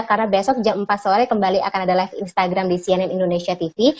karena besok jam empat sore kembali akan ada live instagram di cnn indonesia tv